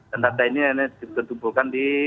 dan data ini yang ditumpukan di